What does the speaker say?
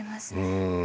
うん。